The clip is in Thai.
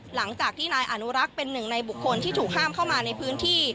หลังจากที่นายอนุรักษ์เป็นหนึ่งในบุคคลที่ถูกห้ามเข้ามาในพื้นที่